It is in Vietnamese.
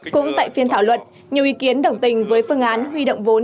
cũng tại phiên thảo luận nhiều ý kiến đồng tình với phương án huy động vốn